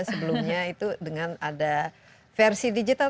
sebelumnya itu dengan ada versi digital